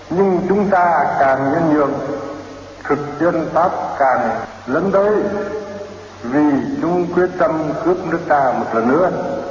nhưng chúng ta càng nhân nhuận thực dân pháp càng lấn đuối vì chúng quyết tâm cướp nước ta một lần nữa